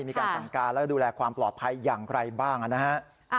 มีการสั่งการและดูแลความปลอดภัยอย่างไรบ้างนะฮะ